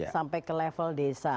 sampai ke level desa